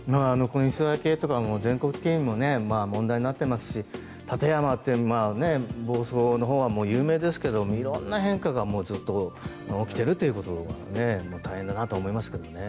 磯焼けとかも全国的にも問題になっていますし館山、房総のほうは有名ですが色んな変化がずっと起きているということで大変だなと思いますけどね。